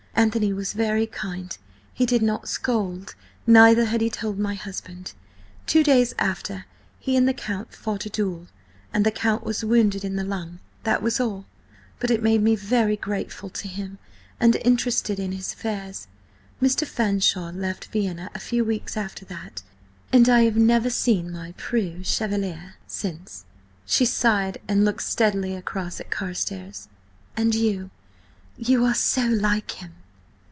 Anthony was very kind–he did not scold, neither had he told my husband. Two days after, he and the Count fought a duel, and the Count was wounded in the lung. That was all. But it made me very grateful to him and interested in his affairs. Mr. Fanshawe left Vienna a few weeks after that, and I have never seen my preux chevalier since." She sighed and looked steadily across at Carstares. "And you–you are so like him!"